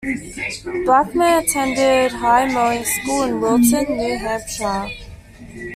Blackmer attended High Mowing School in Wilton, New Hampshire.